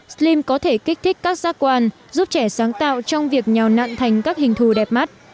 slim có thể kích thích các giác quan giúp trẻ sáng tạo trong việc nhào nặn thành các hình thù đẹp mắt